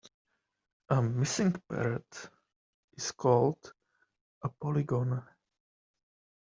A missing parrot is called a polygon.